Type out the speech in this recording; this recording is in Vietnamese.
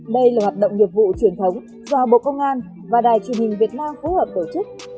đây là hoạt động nghiệp vụ truyền thống do bộ công an và đài truyền hình việt nam phối hợp tổ chức